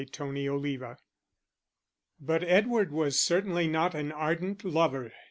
Chapter XI But Edward was certainly not an ardent lover.